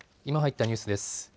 今入ったニュースです。